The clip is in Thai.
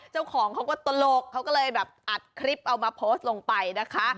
เจ้าของเขาก็ตลกเขาก็เลยแบบอัดคลิปเอามาโพสต์ลงไปนะคะ